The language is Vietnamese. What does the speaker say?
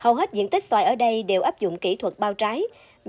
hầu hết diện tích xoài ở đây đều áp dụng kỹ thuật bao trái